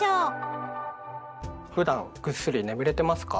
ふだんぐっすり眠れてますか？